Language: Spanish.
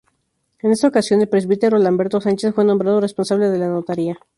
En esta ocasión, el Presbítero Lamberto Sánchez fue nombrado responsable de la notaría.